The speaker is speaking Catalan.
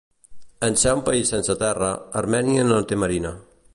En ser un país sense terra, Armènia no té marina.